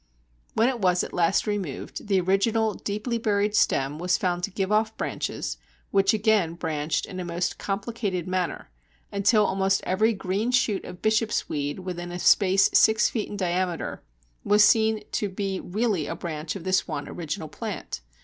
When it was at last removed, the original deeply buried stem was found to give off branches which again branched in a most complicated manner, until almost every green shoot of Bishopsweed within a space six feet in diameter was seen to be really a branch of this one original plant!